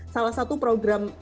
salah satu program